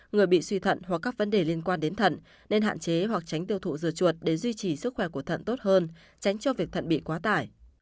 người bị suy thận hoặc các vấn đề liên quan đến thận nên hạn chế hoặc tránh tiêu thụ dừa chuột để duy trì sức khỏe của thận tốt hơn tránh cho việc thận bị quá tải